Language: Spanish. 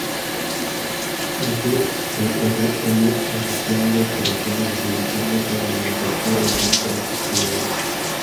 S. de R. L.", iniciando operaciones dedicándose a la manufactura y venta, respectivamente.